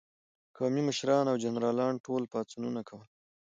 قومي مشرانو او جنرالانو ټول پاڅونونه کول.